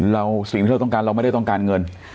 สิ่งที่เราต้องการเราไม่ได้ต้องการเงิน